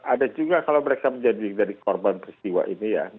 ada juga kalau mereka menjadi korban peristiwa ini ya